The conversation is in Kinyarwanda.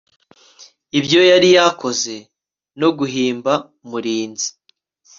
ibyo yari yakoze no guhimba mulinzi